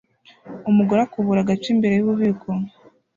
Umugore akubura agace imbere yububiko